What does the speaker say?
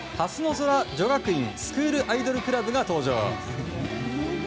空女学院スクールアイドルクラブが登場。